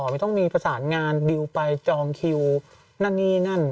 มันต้องมีภาษางานดิวไปจองคิวนั่นนี่นั่น